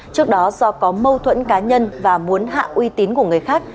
trước đó do có mâu thuẫn cá nhân và muốn hạ uy tín của người khác